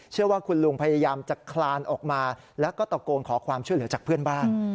เชื่อว่าคุณลุงพยายามจะคลานออกมาแล้วก็ตะโกนขอความช่วยเหลือจากเพื่อนบ้าน